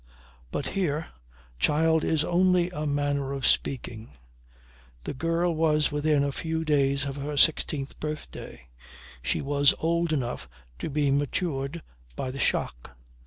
But here, child is only a manner of speaking. The girl was within a few days of her sixteenth birthday; she was old enough to be matured by the shock.